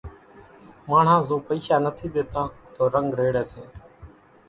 ماڻۿان زو پئيشا نٿي ۮيتان تو رنگ ريڙي سي